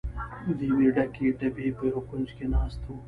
د یوې ډکې ډبې په یوه کونج کې ناست و.